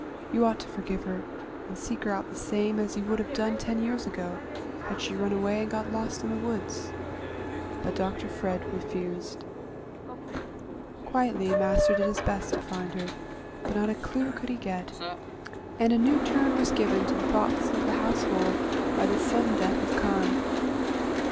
You ought to forgive her, and seek her out the same as you would have done ten years ago, had she run away and got lost in the woods." But Dr. Fred refused. Quietly Master did his best to find her, but not a clew could he get, and a new turn was given to the thoughts of the household by the sudden death of Carm.